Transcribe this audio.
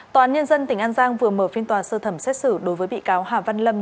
tòa án nhân dân tỉnh an giang vừa mở phiên tòa sơ thẩm xét xử đối với bị cáo hà văn lâm